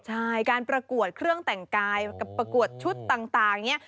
ใช่การประกวดเครื่องแต่งกายกับประกวดชุดต่างอย่างนี้